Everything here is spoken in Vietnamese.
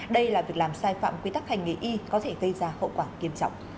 đây là việc làm sai phạm quy tắc hành nghề y có thể gây ra hậu quả nghiêm trọng